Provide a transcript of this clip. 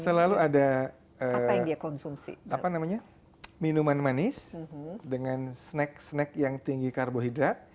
selalu ada konsumsi minuman manis dengan snack snack yang tinggi karbohidrat